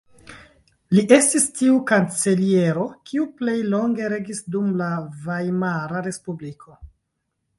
Li estis tiu kanceliero kiu plej longe regis dum la Vajmara Respubliko.